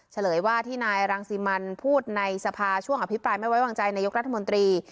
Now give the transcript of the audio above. เฉลยว่าที่นายรังสิมันพูดในสภาช่วงอภิปรายไม่ไว้วางใจนายกรัฐมนตรี